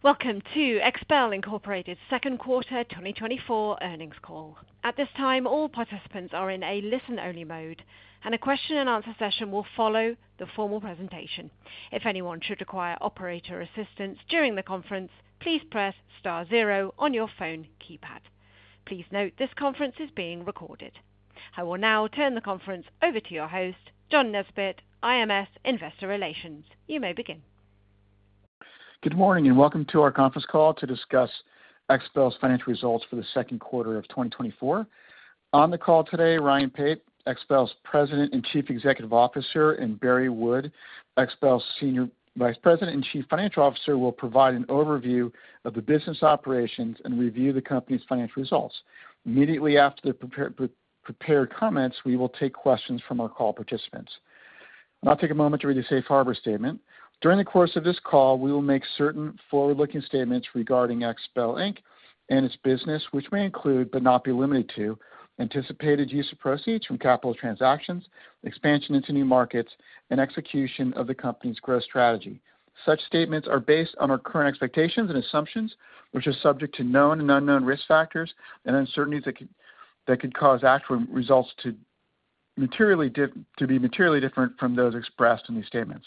Welcome to XPEL Incorporated's second quarter 2024 earnings call. At this time, all participants are in a listen-only mode, and a question-and-answer session will follow the formal presentation. If anyone should require operator assistance during the conference, please press star zero on your phone keypad. Please note, this conference is being recorded. I will now turn the conference over to your host, John Nesbett, IMS Investor Relations. You may begin. Good morning, and welcome to our conference call to discuss XPEL's financial results for the second quarter of 2024. On the call today, Ryan Pate, XPEL's President and Chief Executive Officer, and Barry Wood, XPEL's Senior Vice President and Chief Financial Officer, will provide an overview of the business operations and review the company's financial results. Immediately after the prepared comments, we will take questions from our call participants. I'll take a moment to read a safe harbor statement. During the course of this call, we will make certain forward-looking statements regarding XPEL Inc. and its business, which may include, but not be limited to, anticipated use of proceeds from capital transactions, expansion into new markets, and execution of the company's growth strategy. Such statements are based on our current expectations and assumptions, which are subject to known and unknown risk factors and uncertainties that could cause actual results to materially dif-- to be materially different from those expressed in these statements.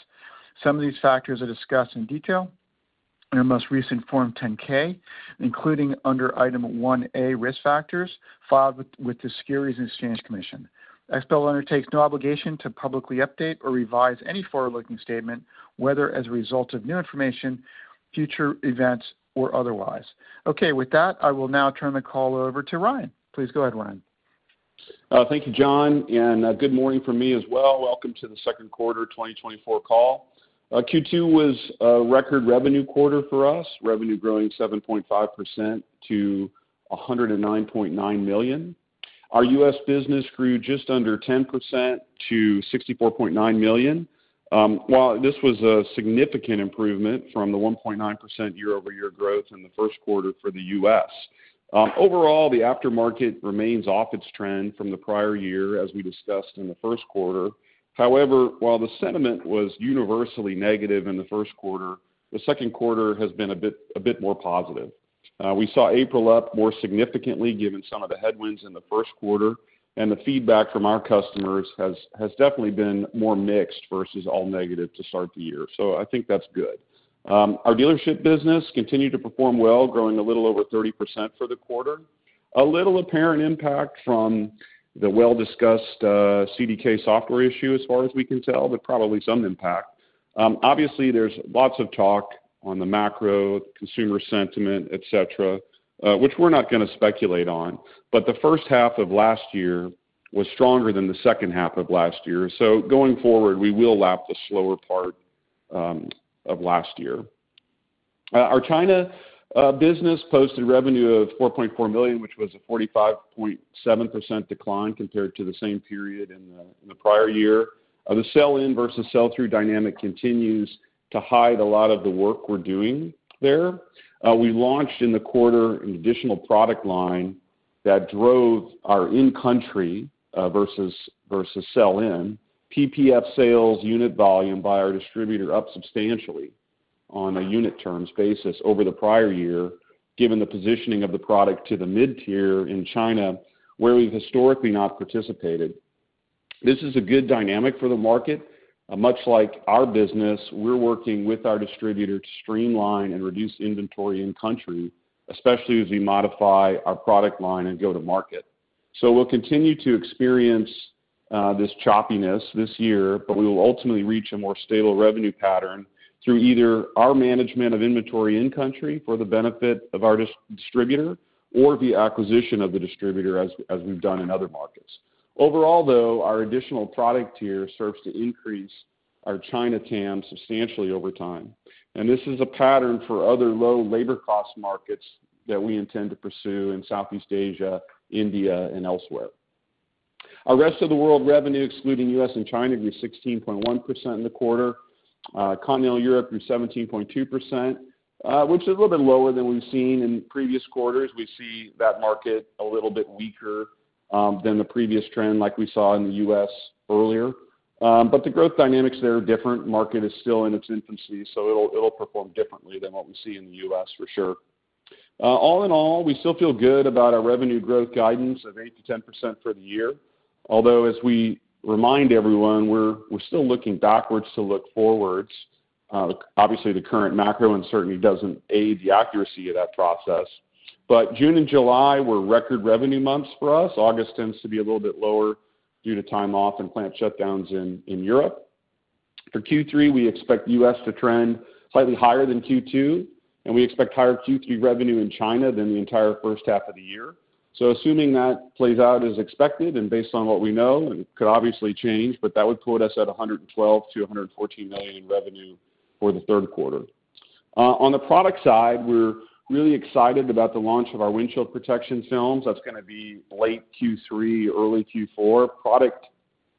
Some of these factors are discussed in detail in our most recent Form 10-K, including under Item 1A, Risk Factors, filed with the Securities and Exchange Commission. XPEL undertakes no obligation to publicly update or revise any forward-looking statement, whether as a result of new information, future events, or otherwise. Okay. With that, I will now turn the call over to Ryan. Please go ahead, Ryan. Thank you, John, and good morning from me as well. Welcome to the second quarter 2024 call. Q2 was a record revenue quarter for us, revenue growing 7.5% to $109.9 million. Our U.S. business grew just under 10% to $64.9 million. While this was a significant improvement from the 1.9% year-over-year growth in the first quarter for the U.S. Overall, the aftermarket remains off its trend from the prior year, as we discussed in the first quarter. However, while the sentiment was universally negative in the first quarter, the second quarter has been a bit, a bit more positive. We saw April up more significantly, given some of the headwinds in the first quarter, and the feedback from our customers has definitely been more mixed versus all negative to start the year. So I think that's good. Our dealership business continued to perform well, growing a little over 30% for the quarter. A little apparent impact from the well-discussed CDK software issue as far as we can tell, but probably some impact. Obviously, there's lots of talk on the macro, consumer sentiment, et cetera, which we're not gonna speculate on, but the first half of last year was stronger than the second half of last year. So going forward, we will lap the slower part of last year. Our China business posted revenue of $4.4 million, which was a 45.7% decline compared to the same period in the, in the prior year. The sell-in versus sell-through dynamic continues to hide a lot of the work we're doing there. We launched in the quarter an additional product line that drove our in-country, versus, versus sell-in. PPF sales unit volume by our distributor up substantially on a unit terms basis over the prior year, given the positioning of the product to the mid-tier in China, where we've historically not participated. This is a good dynamic for the market. Much like our business, we're working with our distributor to streamline and reduce inventory in country, especially as we modify our product line and go to market. So we'll continue to experience this choppiness this year, but we will ultimately reach a more stable revenue pattern through either our management of inventory in country for the benefit of our distributor or the acquisition of the distributor as we've done in other markets. Overall, though, our additional product tier serves to increase our China TAM substantially over time, and this is a pattern for other low labor cost markets that we intend to pursue in Southeast Asia, India, and elsewhere. Our rest of the world revenue, excluding U.S. and China, grew 16.1% in the quarter. Continental Europe grew 17.2%, which is a little bit lower than we've seen in previous quarters. We see that market a little bit weaker than the previous trend, like we saw in the U.S. earlier. But the growth dynamics there are different. Market is still in its infancy, so it'll perform differently than what we see in the U.S. for sure. All in all, we still feel good about our revenue growth guidance of 8%-10% for the year. Although, as we remind everyone, we're still looking backwards to look forwards. Obviously, the current macro uncertainty doesn't aid the accuracy of that process. But June and July were record revenue months for us. August tends to be a little bit lower due to time off and plant shutdowns in Europe. For Q3, we expect U.S. to trend slightly higher than Q2, and we expect higher Q3 revenue in China than the entire first half of the year. So assuming that plays out as expected and based on what we know, and could obviously change, but that would put us at $112 million-$114 million in revenue for the third quarter. On the product side, we're really excited about the launch of our windshield protection films. That's gonna be late Q3, early Q4. Product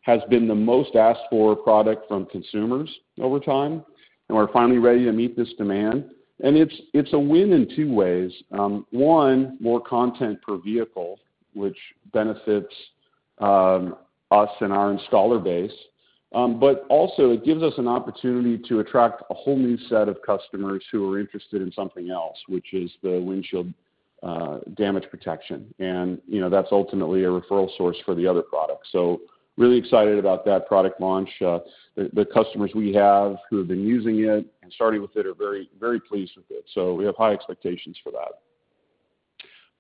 has been the most asked for product from consumers over time, and we're finally ready to meet this demand. And it's, it's a win in two ways. One, more content per vehicle, which benefits us and our installer base. But also it gives us an opportunity to attract a whole new set of customers who are interested in something else, which is the windshield, damage protection. And, you know, that's ultimately a referral source for the other products. So really excited about that product launch. The customers we have who have been using it and starting with it are very, very pleased with it. So we have high expectations for that.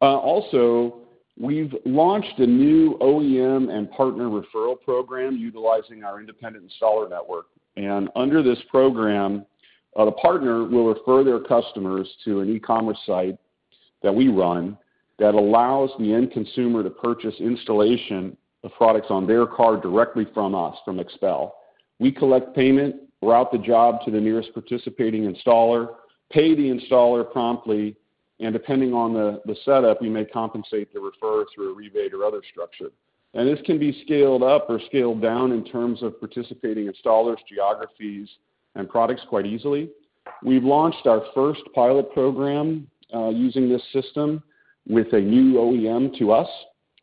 Also, we've launched a new OEM and partner referral program utilizing our independent installer network. And under this program, the partner will refer their customers to an e-commerce site that we run that allows the end consumer to purchase installation of products on their car directly from us, from XPEL. We collect payment, route the job to the nearest participating installer, pay the installer promptly, and depending on the setup, we may compensate the referrer through a rebate or other structure. And this can be scaled up or scaled down in terms of participating installers, geographies, and products quite easily. We've launched our first pilot program, using this system with a new OEM to us,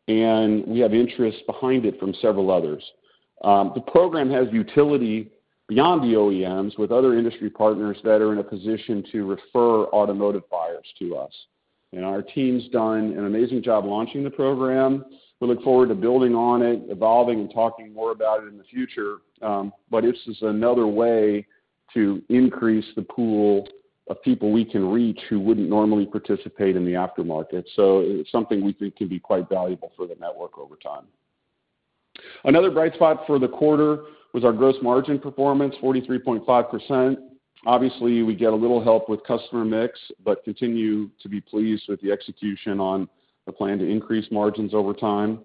and we have interest behind it from several others. The program has utility beyond the OEMs, with other industry partners that are in a position to refer automotive buyers to us. And our team's done an amazing job launching the program. We look forward to building on it, evolving and talking more about it in the future. But this is another way to increase the pool of people we can reach who wouldn't normally participate in the aftermarket. So it's something we think can be quite valuable for the network over time. Another bright spot for the quarter was our gross margin performance, 43.5%. Obviously, we get a little help with customer mix, but continue to be pleased with the execution on the plan to increase margins over time.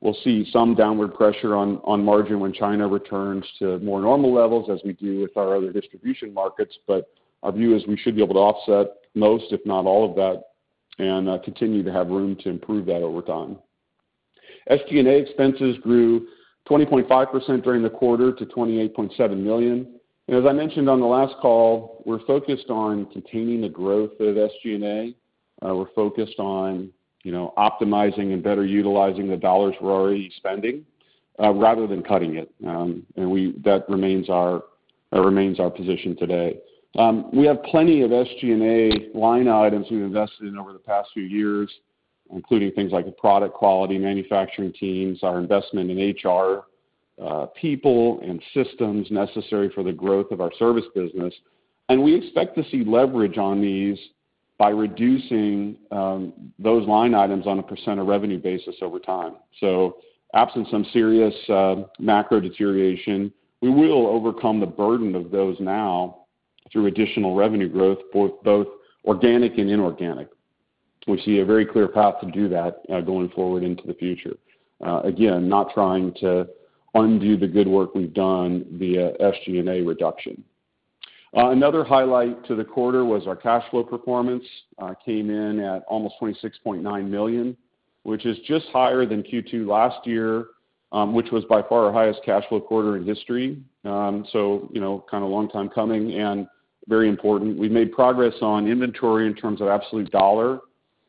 We'll see some downward pressure on margin when China returns to more normal levels, as we do with our other distribution markets, but our view is we should be able to offset most, if not all, of that and continue to have room to improve that over time. SG&A expenses grew 20.5% during the quarter to $28.7 million. As I mentioned on the last call, we're focused on containing the growth of SG&A. We're focused on, you know, optimizing and better utilizing the dollars we're already spending rather than cutting it. And that remains our position today. We have plenty of SG&A line items we've invested in over the past few years, including things like product quality, manufacturing teams, our investment in HR, people and systems necessary for the growth of our service business. We expect to see leverage on these by reducing those line items on a percent of revenue basis over time. Absent some serious macro deterioration, we will overcome the burden of those now through additional revenue growth, both, both organic and inorganic. We see a very clear path to do that going forward into the future. Again, not trying to undo the good work we've done via SG&A reduction. Another highlight to the quarter was our cash flow performance, came in at almost $26.9 million, which is just higher than Q2 last year, which was by far our highest cash flow quarter in history. So, you know, kind of a long time coming and very important. We've made progress on inventory in terms of absolute dollar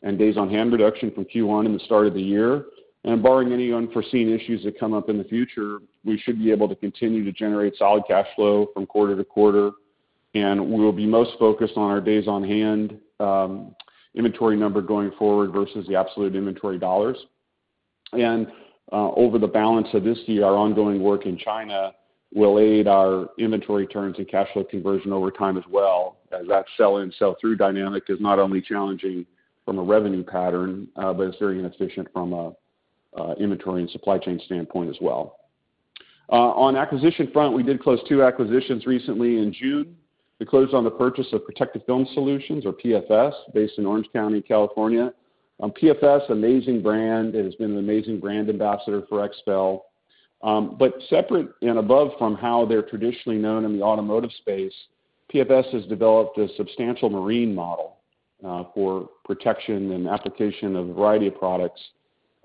and days on hand reduction from Q1 in the start of the year. Barring any unforeseen issues that come up in the future, we should be able to continue to generate solid cash flow from quarter to quarter, and we'll be most focused on our days on hand, inventory number going forward versus the absolute inventory dollars. Over the balance of this year, our ongoing work in China will aid our inventory turns and cash flow conversion over time as well, as that sell-in, sell-through dynamic is not only challenging from a revenue pattern, but it's very inefficient from a inventory and supply chain standpoint as well. On acquisition front, we did close two acquisitions recently in June. We closed on the purchase of Protective Film Solutions, or PFS, based in Orange County, California. PFS, amazing brand, it has been an amazing brand ambassador for XPEL. But separate and above from how they're traditionally known in the automotive space, PFS has developed a substantial marine model for protection and application of a variety of products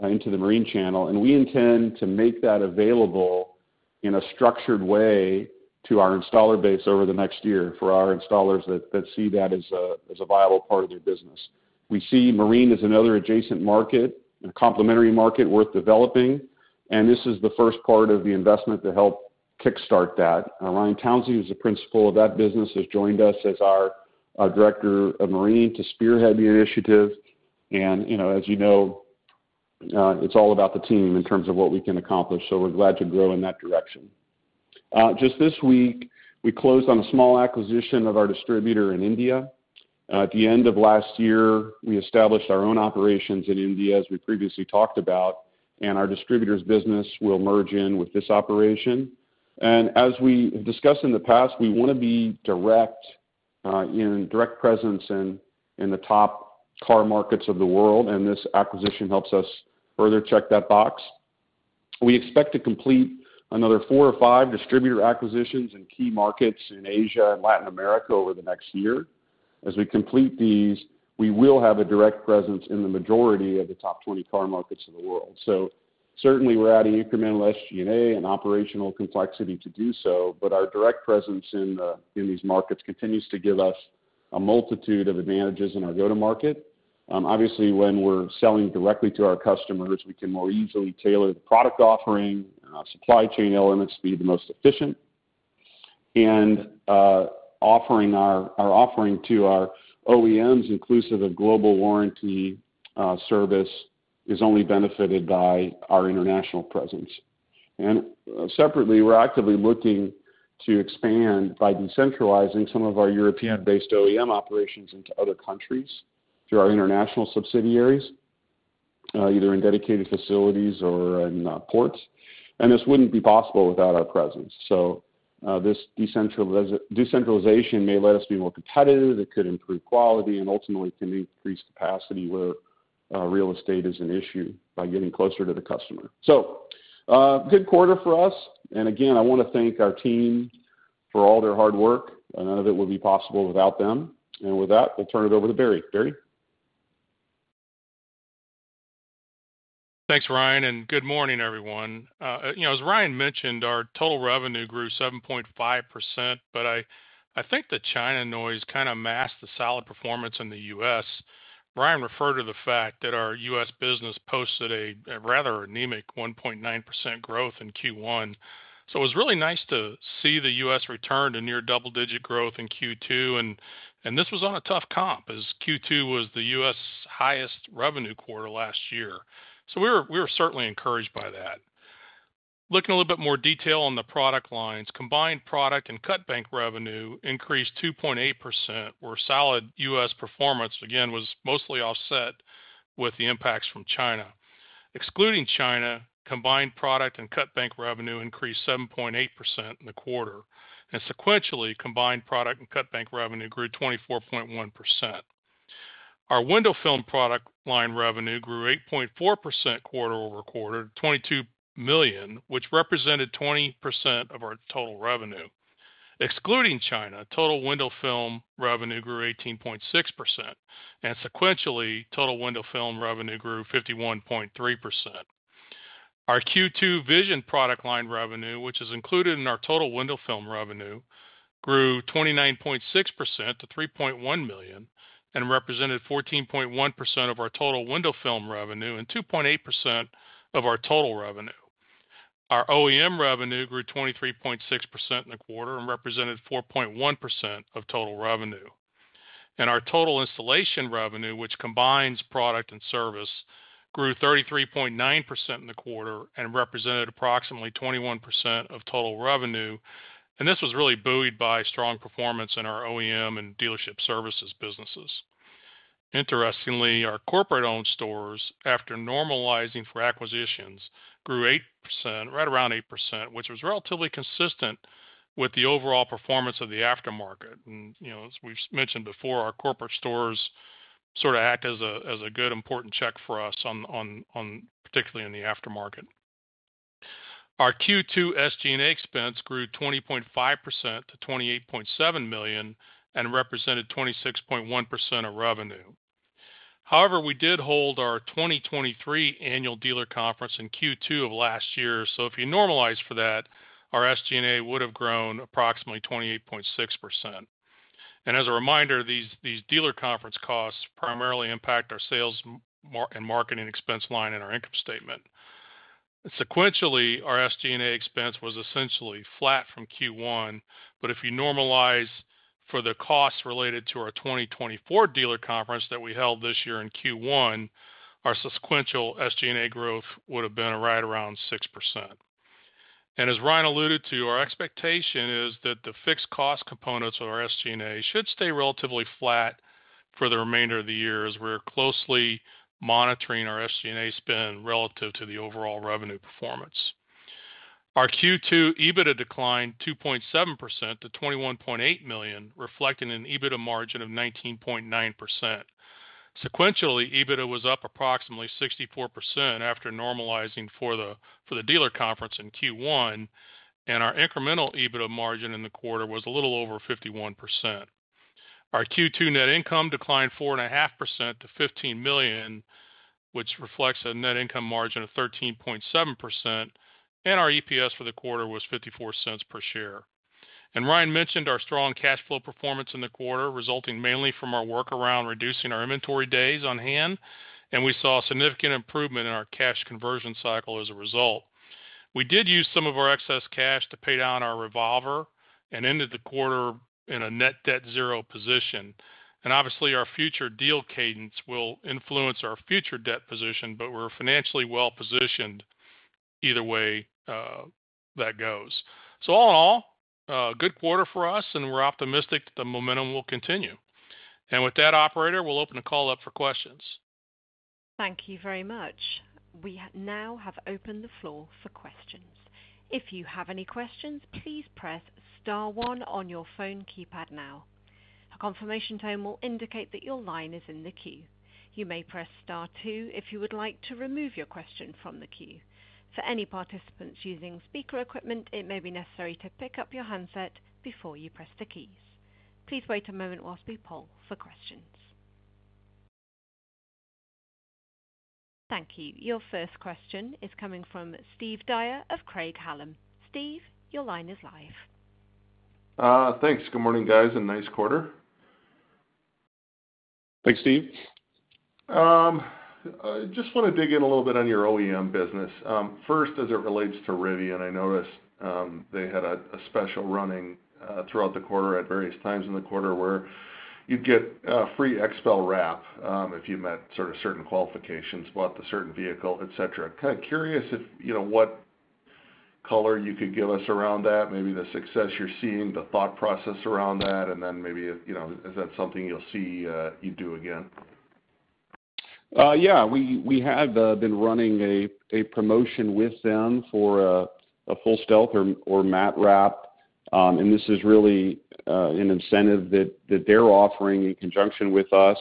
into the marine channel. We intend to make that available in a structured way to our installer base over the next year for our installers that see that as a viable part of their business. We see marine as another adjacent market and a complementary market worth developing, and this is the first part of the investment to help kickstart that. Ryan Townsley, who's the principal of that business, has joined us as our director of marine to spearhead the initiative. You know, as you know, it's all about the team in terms of what we can accomplish, so we're glad to grow in that direction. Just this week, we closed on a small acquisition of our distributor in India. At the end of last year, we established our own operations in India, as we previously talked about, and our distributor's business will merge in with this operation. And as we discussed in the past, we want to be direct in direct presence in the top car markets of the world, and this acquisition helps us further check that box. We expect to complete another four or five distributor acquisitions in key markets in Asia and Latin America over the next year. As we complete these, we will have a direct presence in the majority of the top 20 car markets in the world. So certainly, we're adding incremental SG&A and operational complexity to do so, but our direct presence in these markets continues to give us a multitude of advantages in our go-to-market. Obviously, when we're selling directly to our customers, we can more easily tailor the product offering, supply chain elements to be the most efficient. And, offering our, our offering to our OEMs, inclusive of global warranty, service, is only benefited by our international presence. And separately, we're actively looking to expand by decentralizing some of our European-based OEM operations into other countries through our international subsidiaries, either in dedicated facilities or in ports. And this wouldn't be possible without our presence. So, this decentralization may let us be more competitive, it could improve quality, and ultimately can increase capacity where real estate is an issue by getting closer to the customer. So, good quarter for us. And again, I wanna thank our team for all their hard work. None of it would be possible without them. With that, we'll turn it over to Barry. Barry? Thanks, Ryan, and good morning, everyone. You know, as Ryan mentioned, our total revenue grew 7.5%, but I think the China noise kinda masked the solid performance in the U.S. Ryan referred to the fact that our U.S. business posted a rather anemic 1.9% growth in Q1. So it was really nice to see the U.S. return to near double-digit growth in Q2, and this was on a tough comp, as Q2 was the U.S. highest revenue quarter last year. So we're certainly encouraged by that. Looking a little bit more detail on the product lines. Combined product and cutbank revenue increased 2.8%, where solid U.S. performance, again, was mostly offset with the impacts from China. Excluding China, combined product and cutbank revenue increased 7.8% in the quarter, and sequentially, combined product and cutbank revenue grew 24.1%. Our window film product line revenue grew 8.4% quarter-over-quarter, $20 million, which represented 20% of our total revenue. Excluding China, total window film revenue grew 18.6%, and sequentially, total window film revenue grew 51.3%. Our Q2 Vision product line revenue, which is included in our total window film revenue, grew 29.6% to $3.1 million and represented 14.1% of our total window film revenue and 2.8% of our total revenue. Our OEM revenue grew 23.6% in the quarter and represented 4.1% of total revenue. Our total installation revenue, which combines product and service, grew 33.9% in the quarter and represented approximately 21% of total revenue, and this was really buoyed by strong performance in our OEM and dealership services businesses. Interestingly, our corporate-owned stores, after normalizing for acquisitions, grew 8%, right around 8%, which was relatively consistent with the overall performance of the aftermarket. You know, as we've mentioned before, our corporate stores sort of act as a good, important check for us on, particularly in the aftermarket. Our Q2 SG&A expense grew 20.5% to $28.7 million and represented 26.1% of revenue. However, we did hold our 2023 annual dealer conference in Q2 of last year. If you normalize for that, our SG&A would have grown approximately 28.6%. As a reminder, these dealer conference costs primarily impact our sales and marketing expense line in our income statement. Sequentially, our SG&A expense was essentially flat from Q1, but if you normalize for the costs related to our 2024 dealer conference that we held this year in Q1, our sequential SG&A growth would have been right around 6%. As Ryan alluded to, our expectation is that the fixed cost components of our SG&A should stay relatively flat for the remainder of the year, as we're closely monitoring our SG&A spend relative to the overall revenue performance. Our Q2 EBITDA declined 2.7% to $21.8 million, reflecting an EBITDA margin of 19.9%. Sequentially, EBITDA was up approximately 64% after normalizing for the dealer conference in Q1, and our incremental EBITDA margin in the quarter was a little over 51%. Our Q2 net income declined 4.5% to $15 million, which reflects a net income margin of 13.7%, and our EPS for the quarter was $0.54 per share. And Ryan mentioned our strong cash flow performance in the quarter, resulting mainly from our workaround, reducing our inventory days on hand, and we saw a significant improvement in our cash conversion cycle as a result. We did use some of our excess cash to pay down our revolver and ended the quarter in a net debt zero position. And obviously, our future deal cadence will influence our future debt position, but we're financially well positioned either way that goes. All in all, a good quarter for us, and we're optimistic that the momentum will continue. With that, operator, we'll open the call up for questions. Thank you very much. We now have opened the floor for questions. If you have any questions, please press star one on your phone keypad now. A confirmation tone will indicate that your line is in the queue. You may press star two if you would like to remove your question from the queue. For any participants using speaker equipment, it may be necessary to pick up your handset before you press the keys. Please wait a moment while we poll for questions. Thank you. Your first question is coming from Steve Dyer of Craig-Hallum. Steve, your line is live. Thanks. Good morning, guys, and nice quarter. Thanks, Steve. I just want to dig in a little bit on your OEM business. First, as it relates to Rivian, I noticed they had a special running throughout the quarter at various times in the quarter, where you'd get a free XPEL wrap if you met sort of certain qualifications, bought a certain vehicle, et cetera. Kind of curious if, you know, what color you could give us around that, maybe the success you're seeing, the thought process around that, and then maybe, you know, is that something you'll see you do again? Yeah, we have been running a promotion with them for a full Stealth or matte wrap. And this is really an incentive that they're offering in conjunction with us.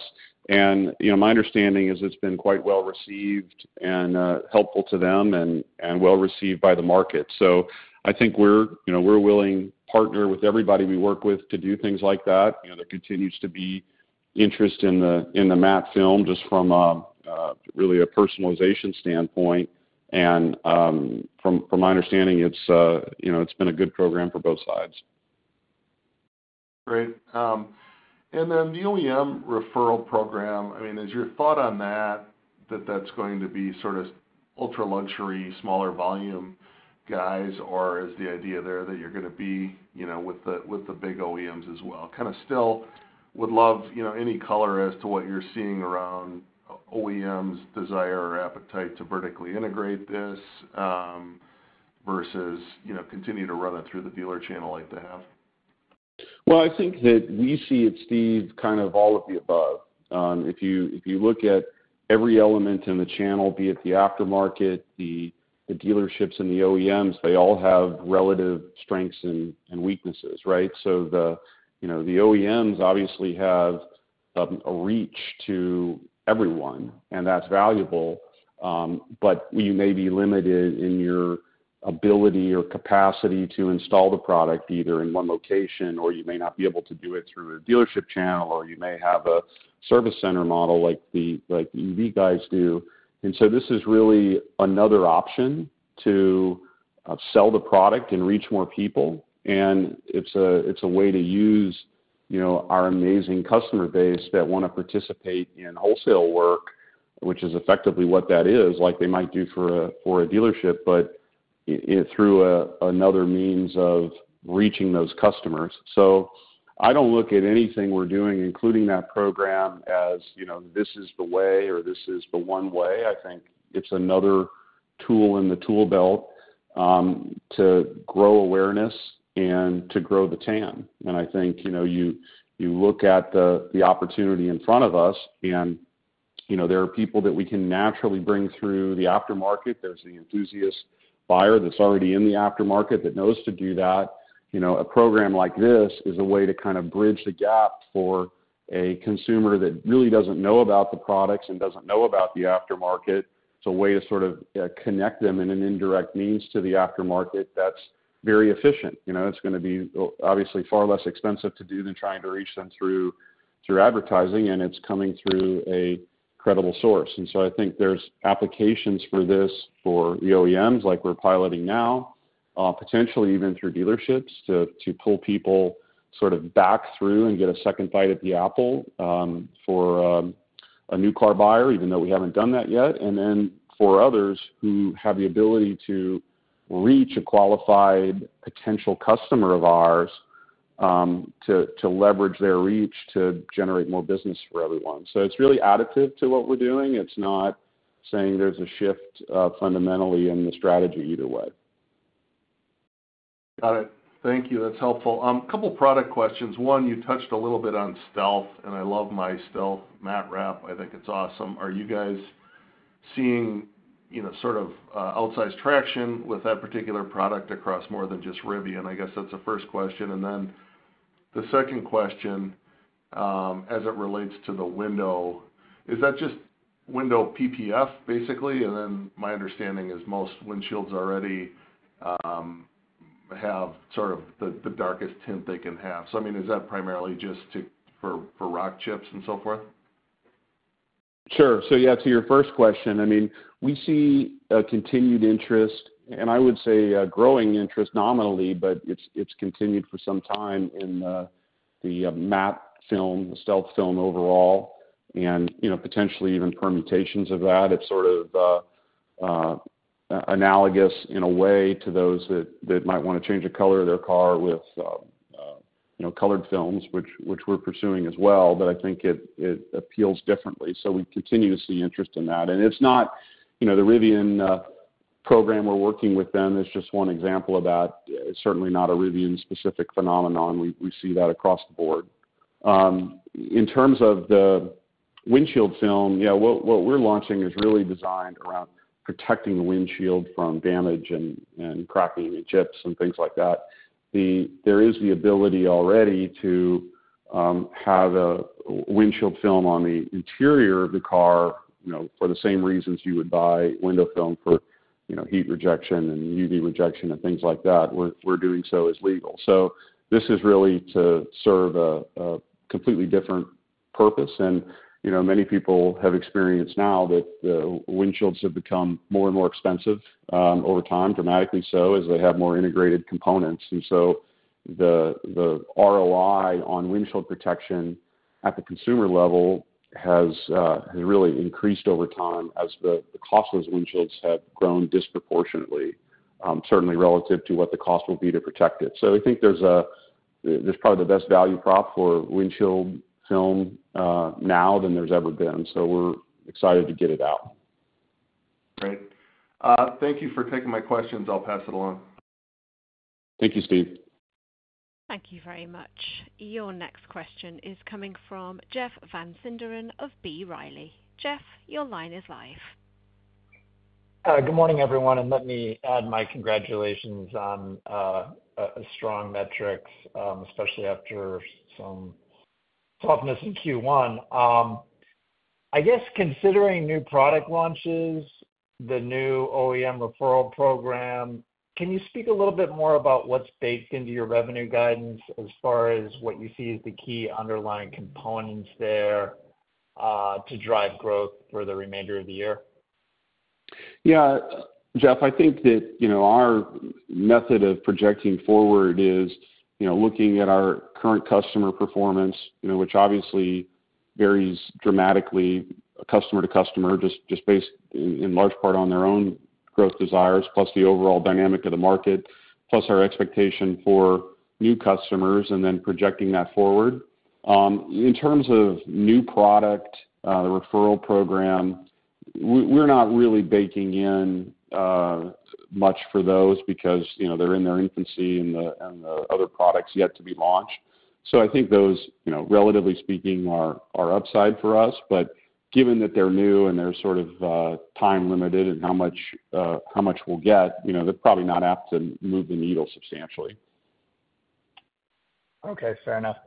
And, you know, my understanding is it's been quite well received and helpful to them and well received by the market. So I think we're, you know, we're willing partner with everybody we work with to do things like that. You know, there continues to be interest in the matte film, just from really a personalization standpoint. And from my understanding, it's you know, it's been a good program for both sides. Great. And then the OEM referral program, I mean, is your thought on that, that that's going to be sort of ultra-luxury, smaller volume guys, or is the idea there that you're gonna be, you know, with the, with the big OEMs as well? Kind of still would love, you know, any color as to what you're seeing around OEMs desire or appetite to vertically integrate this, versus, you know, continue to run it through the dealer channel like they have. Well, I think that we see it, Steve, kind of all of the above. If you look at every element in the channel, be it the aftermarket, the dealerships and the OEMs, they all have relative strengths and weaknesses, right? So, you know, the OEMs obviously have a reach to everyone, and that's valuable. But you may be limited in your ability or capacity to install the product, either in one location, or you may not be able to do it through a dealership channel, or you may have a service center model like the EV guys do. And so this is really another option to sell the product and reach more people, and it's a way to use, you know, our amazing customer base that want to participate in wholesale work, which is effectively what that is, like they might do for a dealership, but through another means of reaching those customers. So I don't look at anything we're doing, including that program, as, you know, this is the way or this is the one way. I think it's another tool in the tool belt to grow awareness and to grow the TAM. And I think, you know, you look at the opportunity in front of us, and, you know, there are people that we can naturally bring through the aftermarket. There's the enthusiast buyer that's already in the aftermarket that knows to do that. You know, a program like this is a way to kind of bridge the gap for a consumer that really doesn't know about the products and doesn't know about the aftermarket. It's a way to sort of, connect them in an indirect means to the aftermarket that's very efficient. You know, it's gonna be, obviously far less expensive to do than trying to reach them through, through advertising, and it's coming through a credible source. And so I think there's applications for this for the OEMs, like we're piloting now, potentially even through dealerships, to, to pull people sort of back through and get a second bite at the apple, for, a new car buyer, even though we haven't done that yet. And then for others who have the ability to reach a qualified potential customer of ours, to leverage their reach to generate more business for everyone. So it's really additive to what we're doing. It's not saying there's a shift, fundamentally in the strategy either way. Got it. Thank you. That's helpful. A couple product questions. One, you touched a little bit on Stealth, and I love my Stealth matte wrap. I think it's awesome. Are you guys seeing, you know, sort of, outsized traction with that particular product across more than just Rivian? I guess that's the first question. And then the second question, as it relates to the window, is that just window PPF, basically? And then my understanding is most windshields already have sort of the darkest tint they can have. So, I mean, is that primarily just for rock chips and so forth? Sure. So yeah, to your first question, I mean, we see a continued interest, and I would say a growing interest nominally, but it's, it's continued for some time in, the matte film, the Stealth film overall, and, you know, potentially even permutations of that. It's sort of, analogous in a way to those that, that might want to change the color of their car with, you know, colored films, which, which we're pursuing as well, but I think it, it appeals differently. So we continue to see interest in that. And it's not, you know, the Rivian, program we're working with them is just one example of that. It's certainly not a Rivian-specific phenomenon. We, we see that across the board. In terms of the windshield film, yeah, what we're launching is really designed around protecting the windshield from damage and cracking and chips and things like that. There is the ability already to have a windshield film on the interior of the car, you know, for the same reasons you would buy window film, you know, heat rejection and UV rejection and things like that. We're doing so as legal. So this is really to serve a completely different purpose. And, you know, many people have experienced now that the windshields have become more and more expensive over time, dramatically so, as they have more integrated components. And so the ROI on windshield protection at the consumer level has really increased over time as the cost of those windshields have grown disproportionately, certainly relative to what the cost will be to protect it. So I think there's probably the best value prop for windshield film now than there's ever been, so we're excited to get it out. Great. Thank you for taking my questions. I'll pass it along. Thank you, Steve. Thank you very much. Your next question is coming from Jeff Van Sinderen of B. Riley. Jeff, your line is live. Good morning, everyone, and let me add my congratulations on a strong metrics, especially after some toughness in Q1. I guess considering new product launches, the new OEM referral program, can you speak a little bit more about what's baked into your revenue guidance as far as what you see as the key underlying components there, to drive growth for the remainder of the year? Yeah, Jeff, I think that, you know, our method of projecting forward is, you know, looking at our current customer performance, you know, which obviously varies dramatically customer to customer, just based in large part on their own growth desires, plus the overall dynamic of the market, plus our expectation for new customers, and then projecting that forward. In terms of new product, the referral program, we're not really baking in much for those because, you know, they're in their infancy and the other products yet to be launched. So I think those, you know, relatively speaking, are upside for us. But given that they're new and they're sort of time-limited in how much we'll get, you know, they're probably not apt to move the needle substantially. Okay. Fair enough.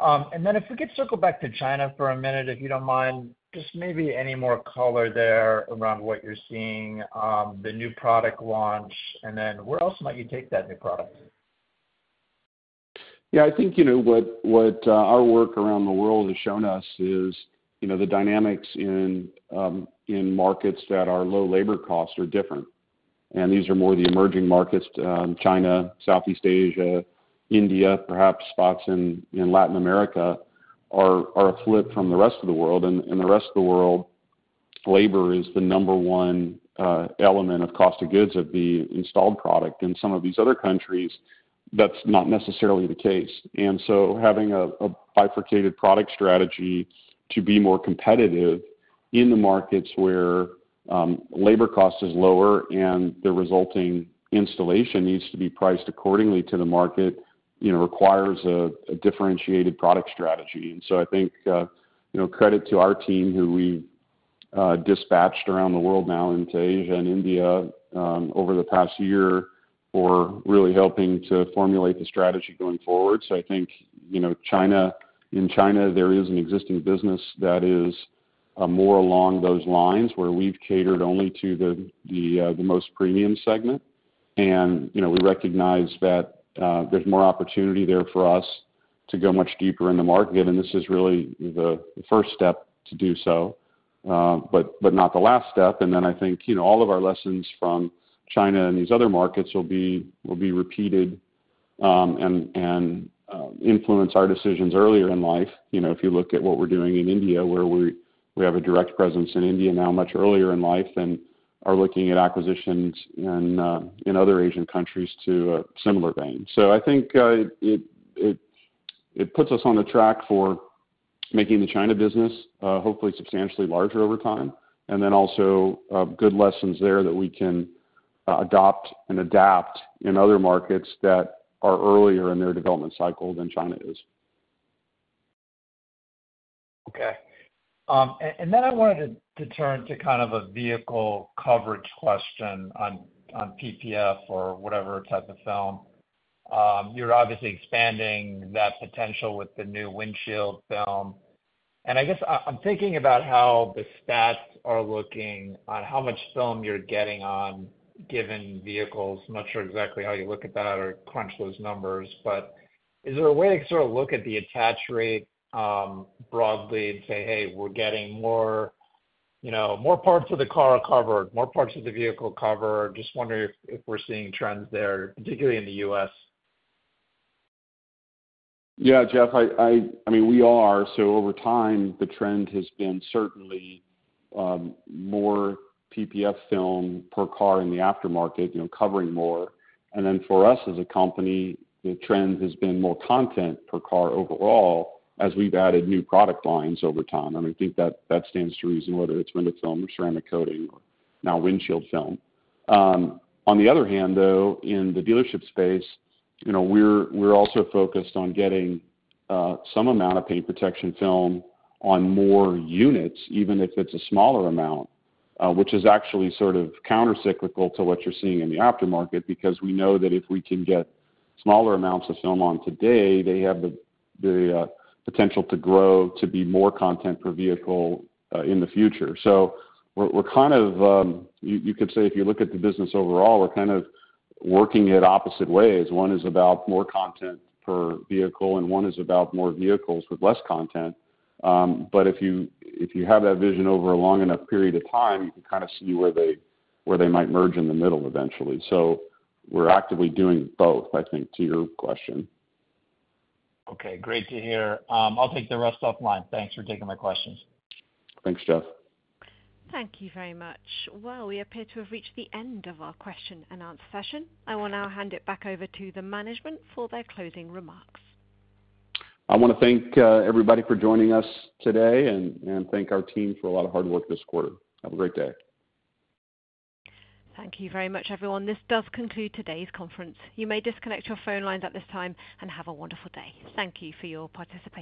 And then if we could circle back to China for a minute, if you don't mind, just maybe any more color there around what you're seeing, the new product launch, and then where else might you take that new product? Yeah, I think, you know, our work around the world has shown us is, you know, the dynamics in markets that are low labor costs are different. And these are more the emerging markets, China, Southeast Asia, India, perhaps spots in Latin America, are a flip from the rest of the world. In the rest of the world, labor is the number one element of cost of goods of the installed product. In some of these other countries, that's not necessarily the case. And so having a bifurcated product strategy to be more competitive in the markets where labor cost is lower and the resulting installation needs to be priced accordingly to the market, you know, requires a differentiated product strategy. And so I think, you know, credit to our team, who we dispatched around the world now into Asia and India, over the past year, for really helping to formulate the strategy going forward. So I think, you know, China, in China, there is an existing business that is more along those lines, where we've catered only to the most premium segment. And, you know, we recognize that, there's more opportunity there for us to go much deeper in the market, and this is really the first step to do so, but not the last step. And then I think, you know, all of our lessons from China and these other markets will be repeated and influence our decisions earlier in life. You know, if you look at what we're doing in India, where we have a direct presence in India now much earlier in life and are looking at acquisitions in other Asian countries to a similar vein. So I think it puts us on the track for making the China business hopefully substantially larger over time, and then also good lessons there that we can adopt and adapt in other markets that are earlier in their development cycle than China is. Okay. And then I wanted to turn to kind of a vehicle coverage question on PPF or whatever type of film. You're obviously expanding that potential with the new windshield film, and I guess I'm thinking about how the stats are looking on how much film you're getting on given vehicles. I'm not sure exactly how you look at that or crunch those numbers, but is there a way to sort of look at the attach rate broadly and say, "Hey, we're getting more, you know, more parts of the car covered, more parts of the vehicle covered?" Just wondering if we're seeing trends there, particularly in the U.S.? Yeah, Jeff, I mean, we are. So over time, the trend has been certainly more PPF film per car in the aftermarket, you know, covering more. And then for us as a company, the trend has been more content per car overall as we've added new product lines over time, and I think that stands to reason, whether it's window film or ceramic coating or now windshield film. On the other hand, though, in the dealership space, you know, we're also focused on getting some amount of paint protection film on more units, even if it's a smaller amount, which is actually sort of countercyclical to what you're seeing in the aftermarket, because we know that if we can get smaller amounts of film on today, they have the potential to grow to be more content per vehicle in the future. So we're kind of you could say if you look at the business overall, we're kind of working at opposite ways. One is about more content per vehicle, and one is about more vehicles with less content. But if you have that vision over a long enough period of time, you can kind of see where they might merge in the middle eventually. So we're actively doing both, I think, to your question. Okay, great to hear. I'll take the rest offline. Thanks for taking my questions. Thanks, Jeff. Thank you very much. Well, we appear to have reached the end of our question-and-answer session. I will now hand it back over to the management for their closing remarks. I want to thank everybody for joining us today and thank our team for a lot of hard work this quarter. Have a great day. Thank you very much, everyone. This does conclude today's conference. You may disconnect your phone lines at this time, and have a wonderful day. Thank you for your participation.